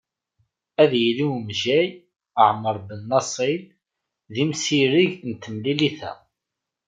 Ad yili umejjay Ɛmar Benassil d imsireg n temlilit-a.